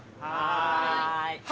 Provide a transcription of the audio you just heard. はい。